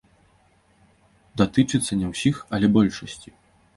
Датычыцца не ўсіх, але большасці.